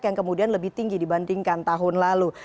yang kemudian lebih tinggi dibandingkan tahun lalu